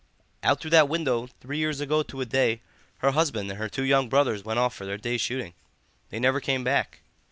"Out through that window, three years ago to a day, her husband and her two young brothers went off for their day's shooting. They never came back.